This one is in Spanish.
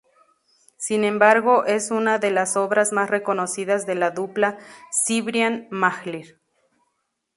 Sin embargo, es una de las obras más reconocidas de la dupla Cibrián-Mahler.